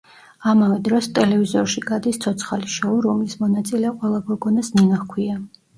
ამავე დროს ტელევიზორში გადის ცოცხალი შოუ, რომლის მონაწილე ყველა გოგონას ნინო ჰქვია.